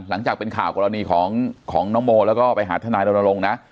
หลังจากเป็นข่าวกรณีของน้องโมแล้วก็ไปหาทนายรณรงค์นะ